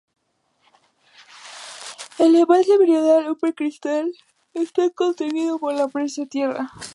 El embalse meridional, "Upper Crystal Springs Reservoir", está contenido por la presa de tierra.